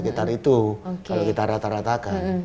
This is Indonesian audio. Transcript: kalau kita rata ratakan